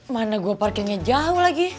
mana gue parkirnya jauh lagi